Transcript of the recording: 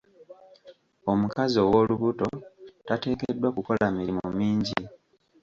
Omukazi ow'olubuto tateekeddwa kukola mirimu mingi.